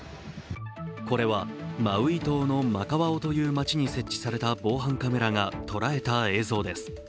これは、マウイ島のマカワオという街に設置された防犯カメラが捉えた映像です。